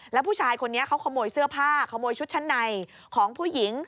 แล้วผู้ชายคนนี้เขาขโมยเสื้อผ้าขโมยชุดชั้นในของผู้หญิง